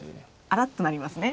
「あら？」となりますね。